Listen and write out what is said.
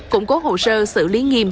cũng có hồ sơ xử lý nghiêm